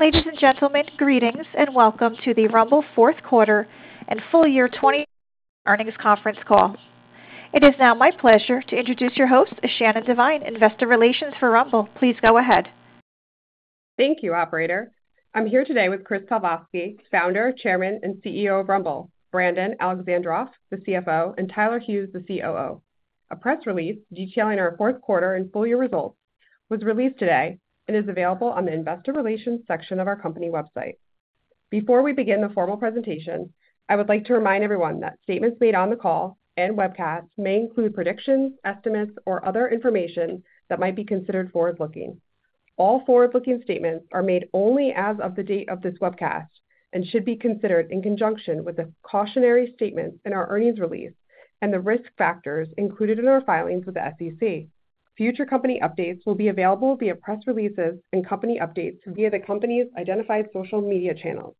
Ladies and gentlemen, greetings and welcome to the Rumble Q4 and Full Year 2022 Earnings Conference Call. It is now my pleasure to introduce your host, Shannon Devine, investor relations for Rumble. Please go ahead. Thank you, operator. I'm here today with Chris Pavlovski, Founder, Chairman, and CEO of Rumble. Brandon Alexandroff, the CFO, and Tyler Hughes, the COO. A press release detailing our 4th quarter and full year results was released today and is available on the investor relations section of our company website. Before we begin the formal presentation, I would like to remind everyone that statements made on the call and webcast may include predictions, estimates, or other information that might be considered forward-looking. All forward-looking statements are made only as of the date of this webcast and should be considered in conjunction with the cautionary statements in our earnings release and the risk factors included in our filings with the SEC. Future company updates will be available via press releases and company updates via the company's identified social media channels.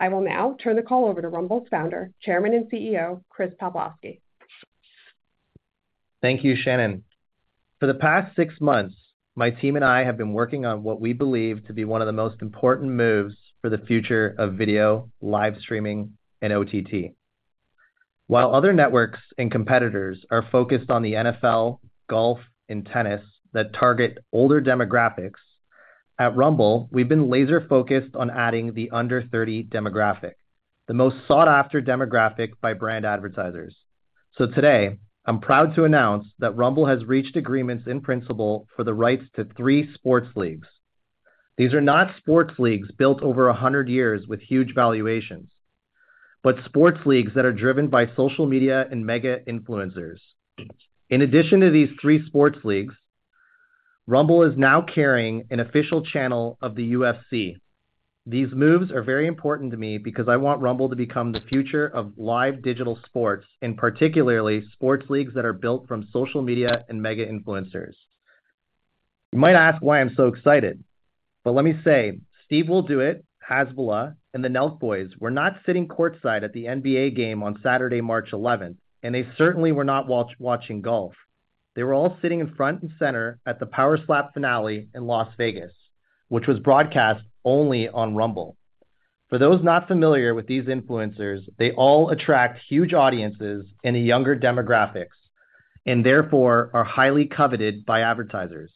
I will now turn the call over to Rumble's Founder, Chairman, and CEO, Chris Pavlovski. Thank you, Shannon. For the past six months, my team and I have been working on what we believe to be one of the most important moves for the future of video, live streaming, and OTT. While other networks and competitors are focused on the NFL, golf, and tennis that target older demographics, at Rumble, we've been laser-focused on adding the under 30 demographic, the most sought-after demographic by brand advertisers. Today, I'm proud to announce that Rumble has reached agreements in principle for the rights to three sports leagues. These are not sports leagues built over 100 years with huge valuations, but sports leagues that are driven by social media and mega-influencers. In addition to these three sports leagues, Rumble is now carrying an official channel of the UFC. These moves are very important to me because I want Rumble to become the future of live digital sports, particularly sports leagues that are built from social media and mega-influencers. You might ask why I'm so excited. Let me say, SteveWillDoIt, Hasbulla, and the NELK Boys were not sitting courtside at the NBA game on Saturday, March 11th, and they certainly were not watching golf. They were all sitting in front and center at the Power Slap finale in Las Vegas, which was broadcast only on Rumble. For those not familiar with these influencers, they all attract huge audiences in the younger demographics and therefore are highly coveted by advertisers.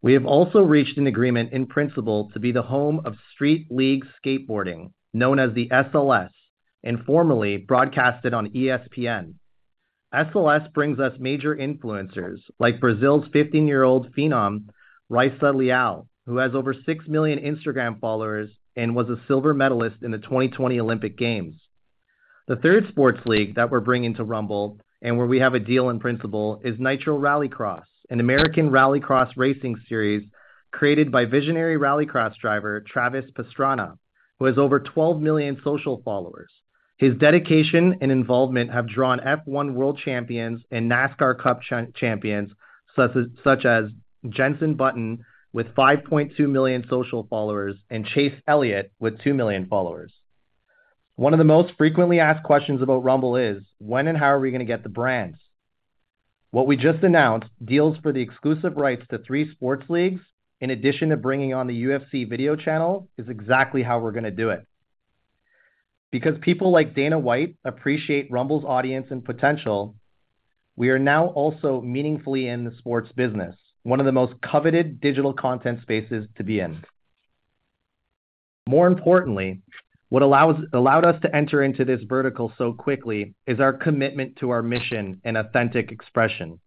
We have also reached an agreement in principle to be the home of Street League Skateboarding, known as the SLS, and formerly broadcasted on ESPN. SLS brings us major influencers like Brazil's 15-year-old phenom, Rayssa Leal, who has over six million Instagram followers and was a silver medalist in the 2020 Olympic Games. The third sports league that we're bringing to Rumble, and where we have a deal in principle is Nitro Rallycross, an American rallycross racing series created by visionary rallycross driver, Travis Pastrana, who has over 12 million social followers. His dedication and involvement have drawn F1 world champions and NASCAR Cup champions such as Jenson Button with 5.2 million social followers, and Chase Elliott with two million followers. One of the most frequently asked questions about Rumble is: when and how are we gonna get the brands? What we just announced deals for the exclusive rights to three sports leagues, in addition to bringing on the UFC video channel, is exactly how we're gonna do it. Because people like Dana White appreciate Rumble's audience and potential, we are now also meaningfully in the sports business, one of the most coveted digital content spaces to be in. More importantly, what allowed us to enter into this vertical so quickly is our commitment to our mission in authentic expression.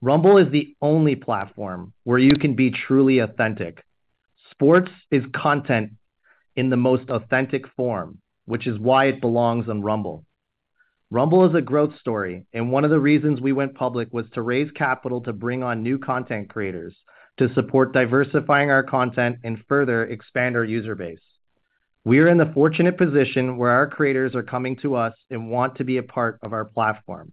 Rumble is the only platform where you can be truly authentic. Sports is content in the most authentic form, which is why it belongs on Rumble. Rumble is a growth story, and one of the reasons we went public was to raise capital to bring on new content creators to support diversifying our content and further expand our user base. We are in the fortunate position where our creators are coming to us and want to be a part of our platform.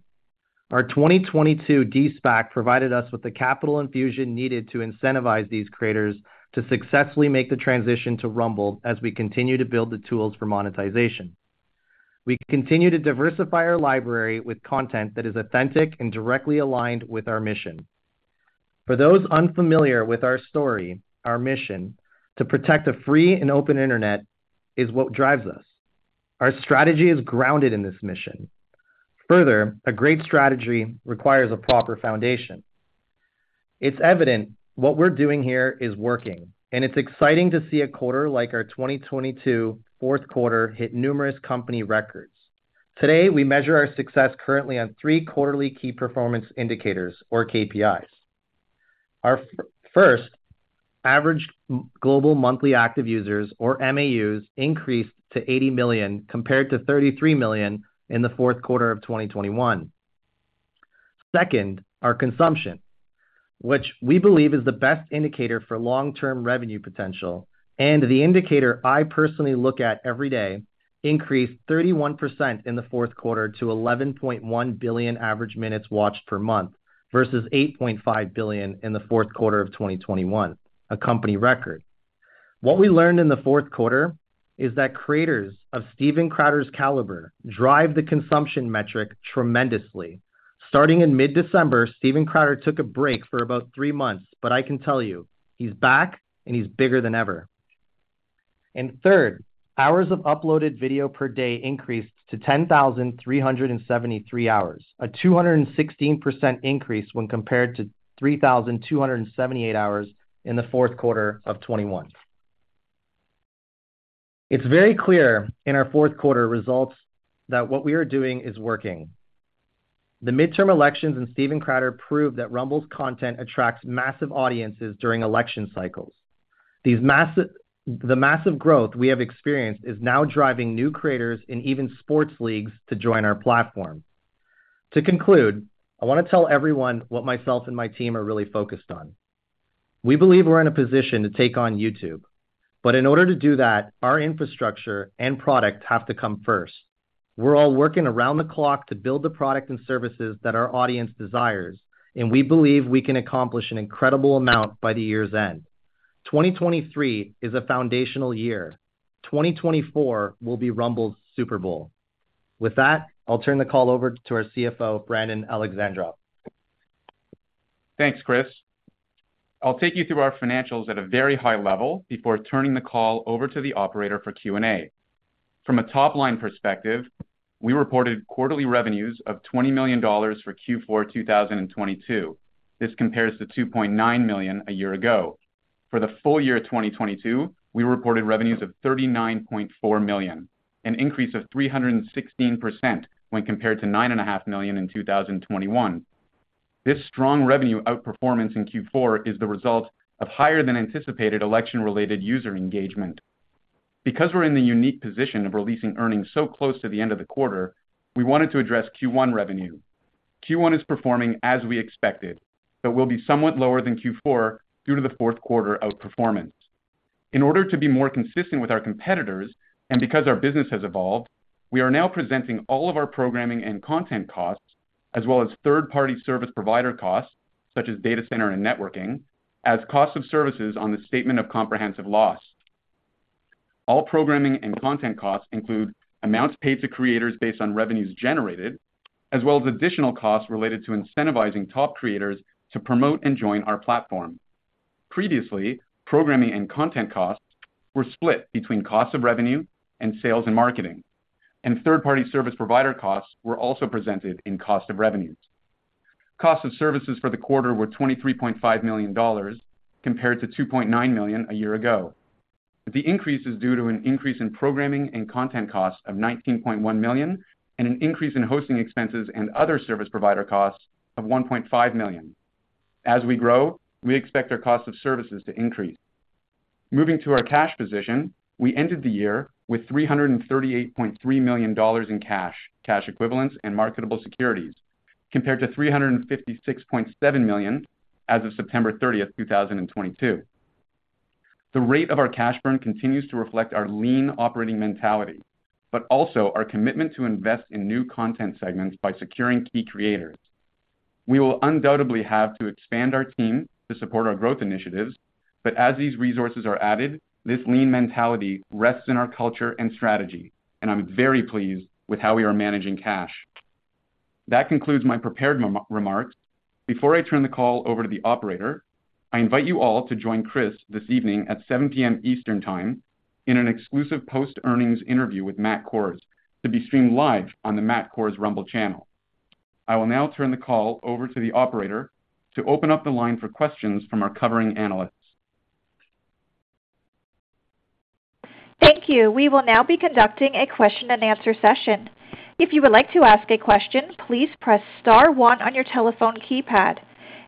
Our 2022 de-SPAC provided us with the capital infusion needed to incentivize these creators to successfully make the transition to Rumble as we continue to build the tools for monetization. We continue to diversify our library with content that is authentic and directly aligned with our mission. For those unfamiliar with our story, our mission, to protect a free and open internet, is what drives us. Our strategy is grounded in this mission. A great strategy requires a proper foundation. It's evident what we're doing here is working, and it's exciting to see a quarter like our 2022 Q4 hit numerous company records. Today, we measure our success currently on three quarterly key performance indicators, or KPIs. Our first, average global monthly active users, or MAUs, increased to 80 million, compared to 33 million in the Q4 of 2021. Second, our consumption, which we believe is the best indicator for long-term revenue potential and the indicator I personally look at every day, increased 31% in the Q4 to 11.1 billion average minutes watched per month versus 8.5 billion in the Q4 of 2021, a company record. What we learned in the Q4 is that creators of Steven Crowder's caliber drive the consumption metric tremendously. Starting in mid-December, Steven Crowder took a break for about three months, but I can tell you he's back, and he's bigger than ever. Third, hours of uploaded video per day increased to 10,373 hours, a 216% increase when compared to 3,278 hours in the Q4 of 2021. It's very clear in our Q4 results that what we are doing is working. The midterm elections and Steven Crowder prove that Rumble's content attracts massive audiences during election cycles. The massive growth we have experienced is now driving new creators and even sports leagues to join our platform. To conclude, I wanna tell everyone what myself and my team are really focused on. We believe we're in a position to take on YouTube, but in order to do that, our infrastructure and product have to come first. We're all working around the clock to build the product and services that our audience desires, and we believe we can accomplish an incredible amount by the year's end. 2023 is a foundational year. 2024 will be Rumble's Super Bowl. With that, I'll turn the call over to our CFO, Brandon Alexandroff. Thanks, Chris. I'll take you through our financials at a very high level before turning the call over to the operator for Q&A. From a top-line perspective, we reported quarterly revenues of $20 million for Q4 2022. This compares to $2.9 million a year ago. For the full year 2022, we reported revenues of $39.4 million, an increase of 316% when compared to $9.5 million in 2021. This strong revenue outperformance in Q4 is the result of higher than anticipated election-related user engagement. Because we're in the unique position of releasing earnings so close to the end of the quarter, we wanted to address Q1 revenue. Q1 is performing as we expected, but will be somewhat lower than Q4 due to the Q4 outperformance. In order to be more consistent with our competitors, because our business has evolved, we are now presenting all of our programming and content costs, as well as third-party service provider costs, such as data center and networking, as cost of services on the statement of comprehensive loss. All programming and content costs include amounts paid to creators based on revenues generated, as well as additional costs related to incentivizing top creators to promote and join our platform. Previously, programming and content costs were split between cost of revenue and sales and marketing, third-party service provider costs were also presented in cost of revenues. Cost of services for the quarter were $23.5 million compared to $2.9 million a year ago. The increase is due to an increase in programming and content costs of $19.1 million and an increase in hosting expenses and other service provider costs of $1.5 million. As we grow, we expect our cost of services to increase. Moving to our cash position, we ended the year with $338.3 million in cash equivalents, and marketable securities, compared to $356.7 million as of September 30, 2022. The rate of our cash burn continues to reflect our lean operating mentality, but also our commitment to invest in new content segments by securing key creators. We will undoubtedly have to expand our team to support our growth initiatives, but as these resources are added, this lean mentality rests in our culture and strategy, and I'm very pleased with how we are managing cash. That concludes my prepared remarks. Before I turn the call over to the operator, I invite you all to join Chris this evening at 7:00 P.M. Eastern Time in an exclusive post-earnings interview with Matt Kohrs, to be streamed live on the Matt Kohrs Rumble channel. I will now turn the call over to the operator to open up the line for questions from our covering analysts. Thank you. We will now be conducting a question and answer session. If you would like to ask a question, please press star one on your telephone keypad.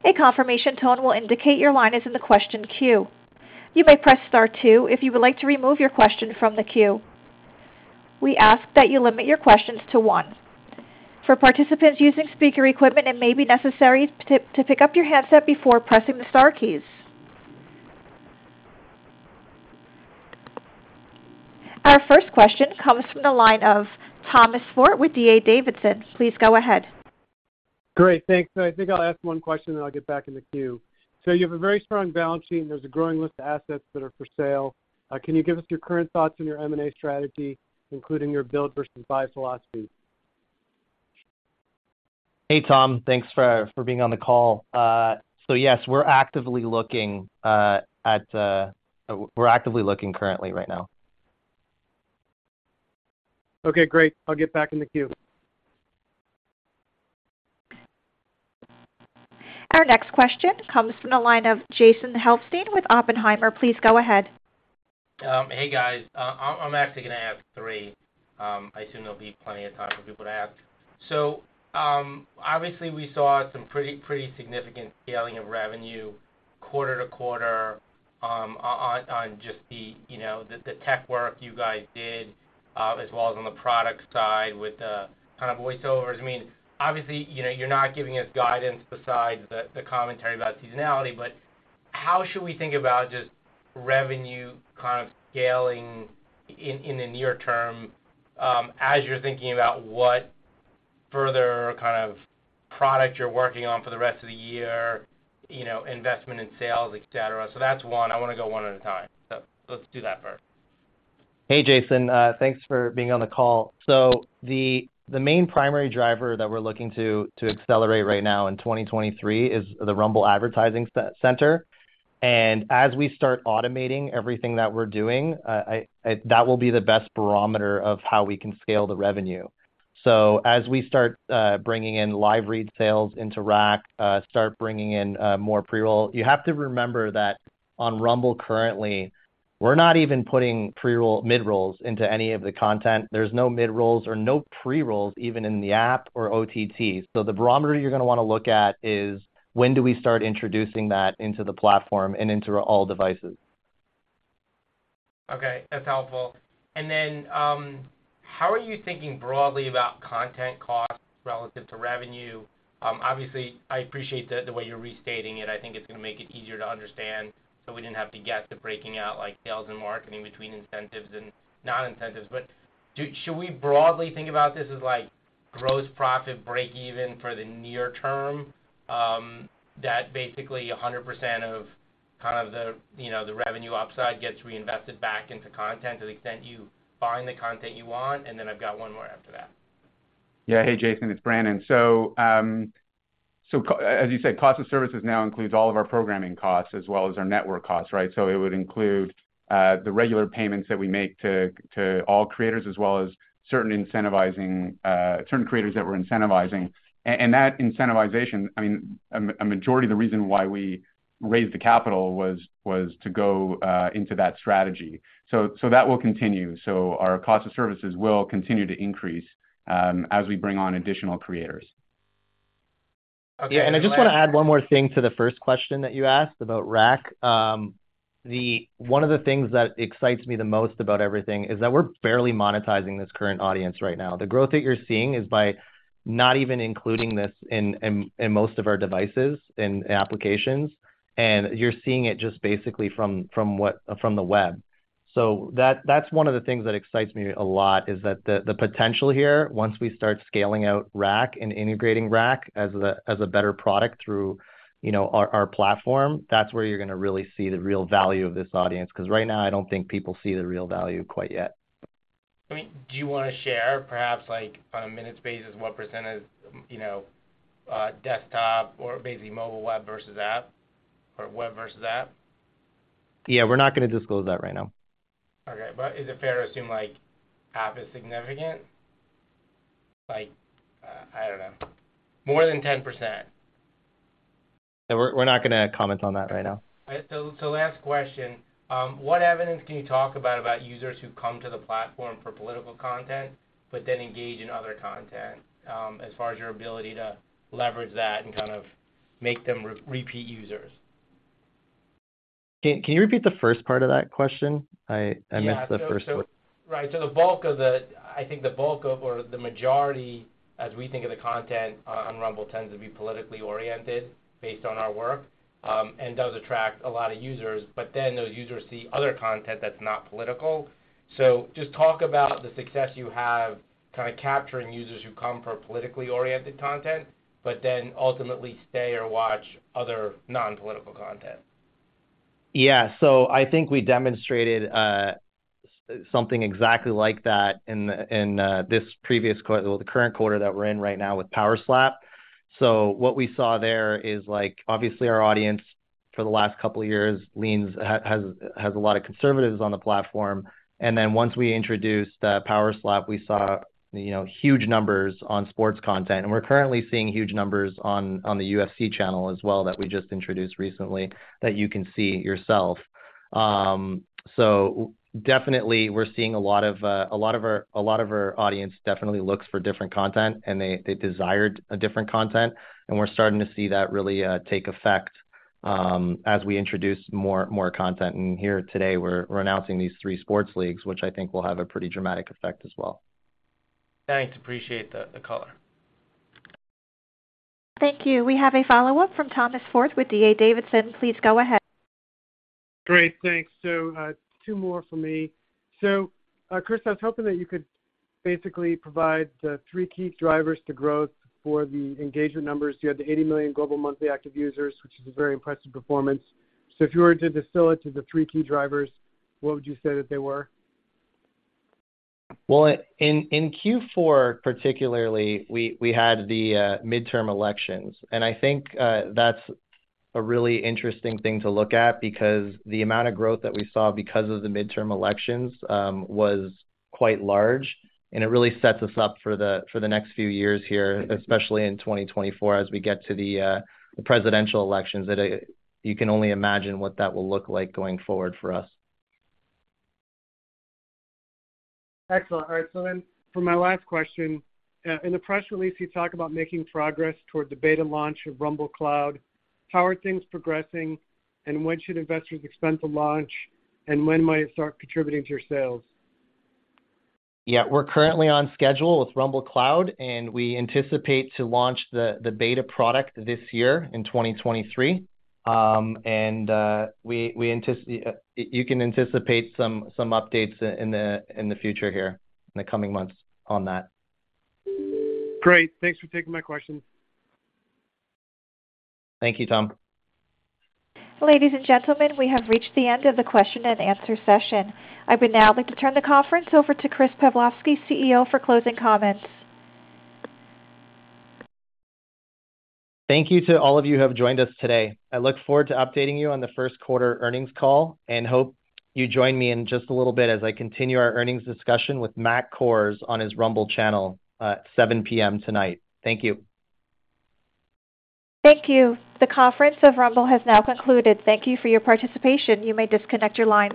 A confirmation tone will indicate your line is in the question queue. You may press star two if you would like to remove your question from the queue. We ask that you limit your questions to one. For participants using speaker equipment, it may be necessary to pick up your handset before pressing the star keys. Our first question comes from the line of Tom Forte with D.A. Davidson. Please go ahead. Great. Thanks. I think I'll ask one question, and I'll get back in the queue. You have a very strong balance sheet, and there's a growing list of assets that are for sale. Can you give us your current thoughts on your M&A strategy, including your build versus buy philosophy? Hey, Tom. Thanks for being on the call. Yes, we're actively looking. We're actively looking currently right now. Okay, great. I'll get back in the queue. Our next question comes from the line of Jason Helfstein with Oppenheimer. Please go ahead. Hey, guys. I'm actually gonna ask three. I assume there'll be plenty of time for people to ask. Obviously we saw some pretty significant scaling of revenue quarter to quarter on just the, you know, the tech work you guys did, as well as on the product side with the kind of voiceovers. I mean, obviously, you know, you're not giving us guidance besides the commentary about seasonality. How should we think about just revenue kind of scaling in the near term, as you're thinking about what further kind of product you're working on for the rest of the year, you know, investment in sales, et cetera? That's one. I wanna go one at a time. Let's do that first. Hey, Jason, thanks for being on the call. The, the main primary driver that we're looking to accelerate right now in 2023 is the Rumble Advertising Center. As we start automating everything that we're doing, that will be the best barometer of how we can scale the revenue. As we start bringing in live read sales into RAC, start bringing in more pre-roll. You have to remember that on Rumble currently, we're not even putting pre-roll mid-rolls into any of the content. There's no mid-rolls or no pre-rolls even in the app or OTT. The barometer you're gonna wanna look at is when do we start introducing that into the platform and into all devices. Okay, that's helpful. How are you thinking broadly about content costs relative to revenue? Obviously, I appreciate the way you're restating it. I think it's gonna make it easier to understand, so we didn't have to get to breaking out like sales and marketing between incentives and non-incentives. Should we broadly think about this as like gross profit break even for the near term? That basically 100% of kind of the, you know, the revenue upside gets reinvested back into content to the extent you find the content you want, then I've got one more after that. Yeah. Hey, Jason, it's Brandon. As you said, cost of services now includes all of our programming costs as well as our network costs, right? It would include the regular payments that we make to all creators as well as certain creators that we're incentivizing. That incentivization, I mean, a majority of the reason why we raised the capital was to go into that strategy. That will continue. Our cost of services will continue to increase as we bring on additional creators. Okay. Yeah. I just wanna add one more thing to the first question that you asked about RAC. One of the things that excites me the most about everything is that we're barely monetizing this current audience right now. The growth that you're seeing is by not even including this in most of our devices and applications, and you're seeing it just basically from the web. That's one of the things that excites me a lot, is that the potential here, once we start scaling out RAC and integrating RAC as a better product through, you know, our platform, that's where you're gonna really see the real value of this audience. 'Cause right now I don't think people see the real value quite yet. I mean, do you wanna share perhaps like on a minute space is what %, you know, desktop or basically mobile web versus app or web versus app? Yeah, we're not gonna disclose that right now. Okay. Is it fair to assume like app is significant? Like, I don't know, more than 10%. Yeah. We're not gonna comment on that right now. Last question. What evidence can you talk about users who come to the platform for political content but then engage in other content, as far as your ability to leverage that and kind of make them repeat users? Can you repeat the first part of that question? I missed the first part. Yeah. So Right. The bulk of I think the bulk of or the majority as we think of the content on Rumble tends to be politically oriented based on our work, and does attract a lot of users, but then those users see other content that's not political. Just talk about the success you have kinda capturing users who come for politically oriented content but then ultimately stay or watch other non-political content. Yeah. I think we demonstrated something exactly like that in this previous quarter, the current quarter that we're in right now with Power Slap. What we saw there is like, obviously, our audience for the last couple of years leans has a lot of conservatives on the platform. Once we introduced the Power Slap, we saw, you know, huge numbers on sports content, and we're currently seeing huge numbers on the UFC channel as well that we just introduced recently that you can see yourself. Definitely we're seeing a lot of our audience definitely looks for different content, and they desired a different content, and we're starting to see that really take effect as we introduce more content. Here today, we're announcing these three sports leagues, which I think will have a pretty dramatic effect as well. Thanks. Appreciate the color. Thank you. We have a follow-up from Thomas Forte with D.A. Davidson. Please go ahead. Great. Thanks. Two more for me. Chris, I was hoping that you could basically provide the three key drivers to growth for the engagement numbers. You had the 80 million global monthly active users, which is a very impressive performance. If you were to distill it to the three key drivers, what would you say that they were? Well, in Q4 particularly, we had the midterm elections. I think that's a really interesting thing to look at because the amount of growth that we saw because of the midterm elections was quite large, and it really sets us up for the next few years here, especially in 2024 as we get to the presidential elections. You can only imagine what that will look like going forward for us. Excellent. All right. For my last question, in the press release you talk about making progress toward the beta launch of Rumble Cloud. How are things progressing, and when should investors expect to launch, and when might it start contributing to your sales? Yeah. We're currently on schedule with Rumble Cloud, and we anticipate to launch the beta product this year in 2023. You can anticipate some updates in the future here in the coming months on that. Great. Thanks for taking my questions. Thank you, Tom. Ladies and gentlemen, we have reached the end of the question and answer session. I would now like to turn the conference over to Chris Pavlovski, CEO for closing comments. Thank you to all of you who have joined us today. I look forward to updating you on the Q1 earnings call, and hope you join me in just a little bit as I continue our earnings discussion with Matt Kohrs on his Rumble channel at 7:00 P.M. tonight. Thank you. Thank you. The conference of Rumble has now concluded. Thank you for your participation. You may disconnect your lines.